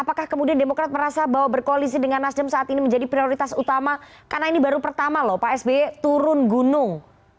apakah kemudian demokrat merasa bahwa berkoalisi dengan nasdem saat ini menjadi prioritas utama karena ini baru pertama loh pak sby turun gunung